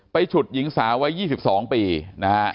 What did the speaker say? ไปฉุดหญิงสาววัย๒๒ปีนะครับ